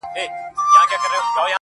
وينه د وجود مي ده ژوندی يم پرې.